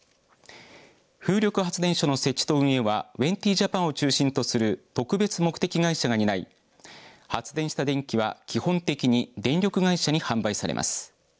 風力発電所の設置と運営はウェンティ・ジャパンを中心とする特別目的会社が担い発電した電気は基本的に電力会社に販売されます。